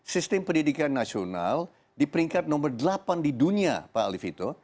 sistem pendidikan nasional di peringkat nomor delapan di dunia pak ali vito